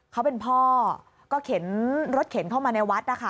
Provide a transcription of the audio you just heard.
เขาเป็นพ่อก็เข็นรถเข็นเข้ามาในวัดนะคะ